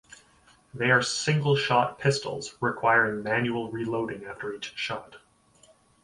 They are single shot pistols, requiring manual reloading after each shot.